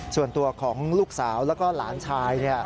ส่วนตัวของลูกสาวแล้วก็หลานชาย